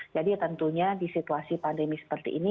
jadi tentunya di situasi pandemi seperti ini